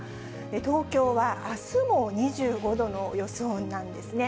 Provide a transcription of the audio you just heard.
東京はあすも２５度の予想なんですね。